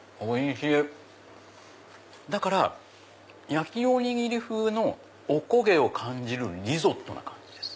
焼きおにぎり風のお焦げを感じるリゾットな感じです。